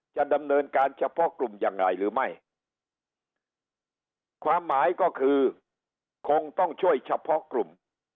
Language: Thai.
จะดำเนินการเฉพาะกลุ่มยังไงหรือไม่ความหมายก็คือคงต้องช่วยเฉพาะกลุ่ม